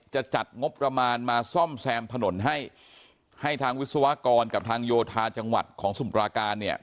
จะจัดงบประมาณมาซ่อมแซมถนนให้ให้ทางวิศวกรกับทางโยธาจังหวัดของสมุปราการเนี่ย